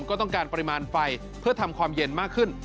ก็ต้องการปริมาณไฟเพื่อทำความเย็นมากขึ้น